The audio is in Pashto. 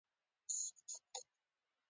د پیسو حرص د ډېرو ناخوالو سبب ګرځي.